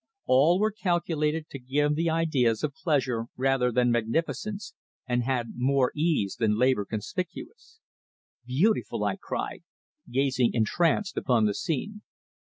All were calculated to give the ideas of pleasure rather than magnificence, and had more ease than labour conspicuous. "Beautiful!" I cried, gazing entranced upon the scene.